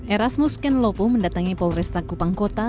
erasmus ken lopo mendatangi polresta kupangkota